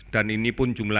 dan ini pun jumlahnya